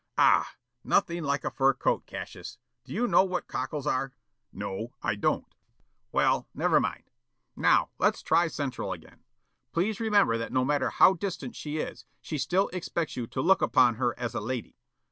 Ah! Nothing like a fur coat, Cassius. Do you know what cockles are?" "No, I don't." "Well, never mind. Now, let's try Central again. Please remember that no matter how distant she is, she still expects you to look upon her as a lady.